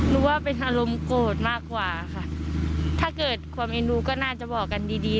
รู้ว่าเป็นอารมณ์โกรธมากกว่าค่ะถ้าเกิดความเอ็นดูก็น่าจะบอกกันดีดี